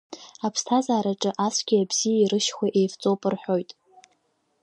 Аԥсҭазаараҿы ацәгьеи абзиеи рышьхәа еивҵоуп рҳәоит.